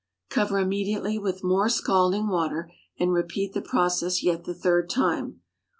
Cover immediately with more scalding water, and repeat the process yet the third time.